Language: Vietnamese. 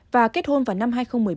và kết hôn vào năm hai nghìn một mươi bốn